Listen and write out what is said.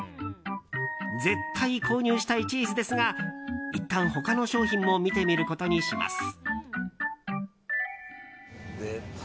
絶対購入したいチーズですがいったん、他の商品も見てみることにします。